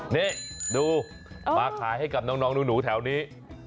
นี่ดูมาขายให้กับน้องหนูแถวนี้